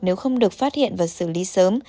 nếu không được phát hiện và xử lý sớm